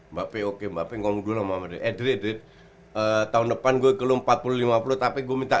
mbak pei oke mbak pei ngomong dulu sama mbak pei eh dri dri tahun depan gua ke lu empat puluh lima puluh tapi gua minta